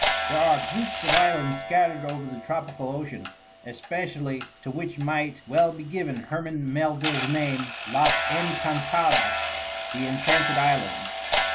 There are groups of islands scattered over the tropical ocean, especially, to which might well be given Herman Melville's name, "Las Encantadas," the Enchanted Islands.